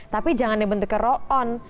tapi jangan ada bentuknya roll on